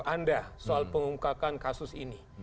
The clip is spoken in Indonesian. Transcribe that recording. anda soal pengungkapan kasus ini